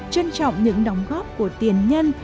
trân trọng những đóng góp của tiền nhân